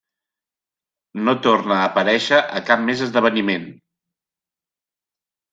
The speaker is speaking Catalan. No torna a aparèixer a cap més esdeveniment.